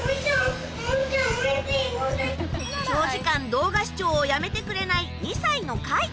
長時間動画視聴をやめてくれない。